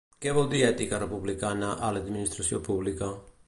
Què vol dir ètica republicana a l’administració pública?